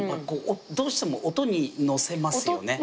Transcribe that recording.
どうしても音に乗せますよね。